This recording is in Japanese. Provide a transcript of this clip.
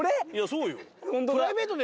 そうよ。